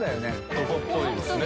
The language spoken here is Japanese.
男っぽいですね。